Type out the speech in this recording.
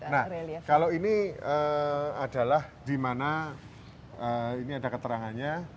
nah kalau ini adalah dimana ini ada keterangannya